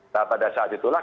nah pada saat itulah